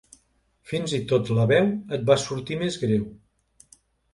Fins i tot la veu et va sortir més greu.